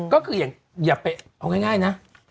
ก็คืออย่าไปเอาง่ายนะ